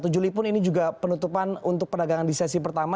satu juli pun ini juga penutupan untuk perdagangan di sesi pertama